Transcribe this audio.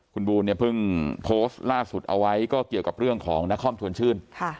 คุณบูลเนี่ยเพิ่งโพสต์ล่าสุดเอาไว้ก็เกี่ยวกับเรื่องของนครชวนชื่น